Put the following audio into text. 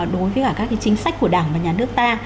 đối với cả các chính sách của đảng và nhà nước ta